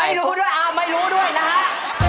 ไม่รู้ด้วยอ้าวไม่รู้ด้วยนะฮะ